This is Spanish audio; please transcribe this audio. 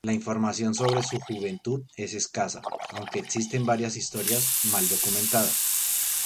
La información sobre su juventud es escasa, aunque existen varias historias mal documentadas.